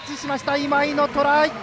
今井のトライ。